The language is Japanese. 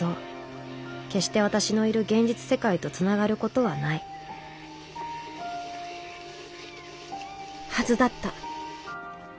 決して私のいる現実世界とつながることはないはずだった。